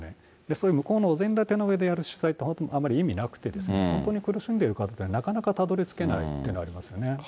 それは向こうのおぜん立てでやられる取材ってあまり意味なくて、本当に苦しんでる方になかなかたどりつけないというのがあります